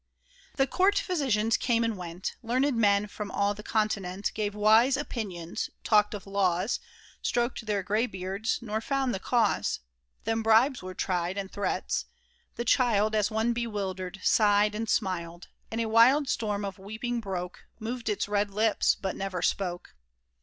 The court physicians came and went ; Learned men from all the continent Gave wise opinions, talked of laws. Stroked their gray beards, nor found the cause. Then bribes were tried, and threats. The child, As one bewildered, sighed and smiled. In a wild storm of weeping broke, Moved its red lips, but never spoke.